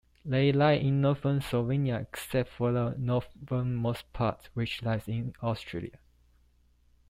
They lie in northern Slovenia, except for the northernmost part, which lies in Austria.